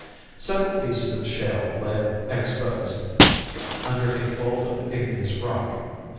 Several pieces of shale lay exposed under a fold of igneous rock.